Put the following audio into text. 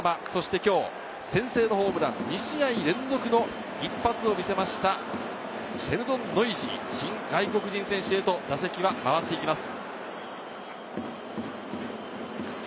今日、先制のホームラン、２試合連続の一発を見せましたシェルドン・ノイジー、新外国人選手へと打席は回っていきます。